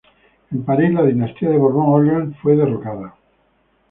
En París, la dinastía de Borbón-Orleáns fue derrocada.